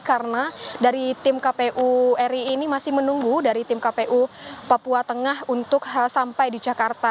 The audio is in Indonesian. karena dari tim kpu ri ini masih menunggu dari tim kpu papua tengah untuk sampai di jakarta